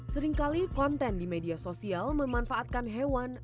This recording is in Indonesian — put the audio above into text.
seringkali konten di media sosial memanfaatkan hewan